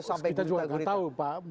sampai di integritas